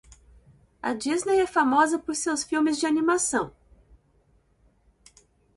A Disney é famosa por seus filmes de animação.